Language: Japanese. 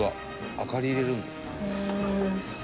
明かり入れるんだ」